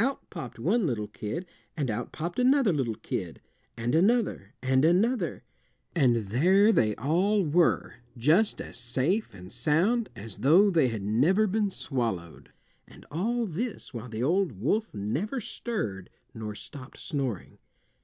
Out popped one little kid, and out popped another little kid, and another, and another, and there they all were, just as safe and sound as though they had never been swallowed. And all this while the old wolf never stirred nor stopped snoring.